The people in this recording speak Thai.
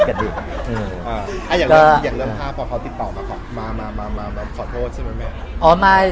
ถ้าอย่างเรื่องภาพพอเขาติดต่อมามาขอโทษใช่ไหมแม่